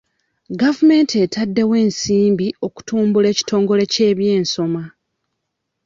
Gavumenti etaddewo ensimbi okutumbula ekitongole ky'ebyensoma.